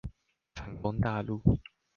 反攻大陸